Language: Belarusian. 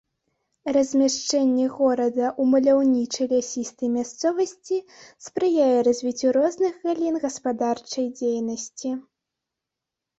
Размяшчэнне горада ў маляўнічай лясістай мясцовасці спрыяе развіццю розных галін гаспадарчай дзейнасці.